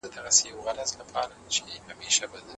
افغانستان د نړیوالو معیارونو پلي کول جدي نه نیسي.